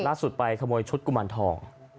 ล่าสุดไปขโมยชุดกุมารทอง